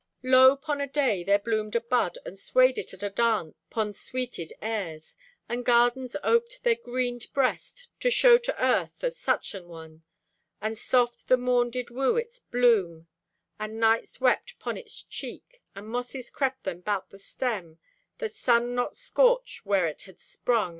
Lo, 'pon a day there bloomed a bud, And swayed it at adance 'pon sweeted airs. And gardens oped their greenéd breast To shew to Earth o' such an one. And soft the morn did woo its bloom; And nights wept 'pon its cheek, And mosses crept them 'bout the stem, That sun not scoarch where it had sprung.